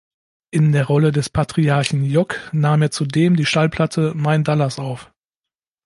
In der Rolle des Patriarchen "Jock" nahm er zudem die Schallplatte "Mein Dallas" auf.